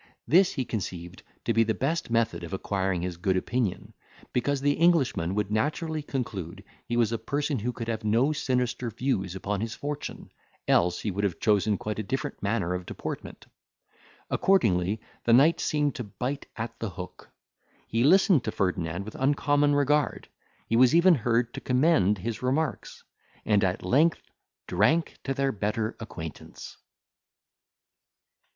This he conceived to be the best method of acquiring his good opinion; because the Englishman would naturally conclude he was a person who could have no sinister views upon his fortune, else he would have chosen quite a different manner of deportment. Accordingly, the knight seemed to bite at the hook. He listened to Ferdinand with uncommon regard; he was even heard to commend his remarks, and at length drank to their better acquaintance.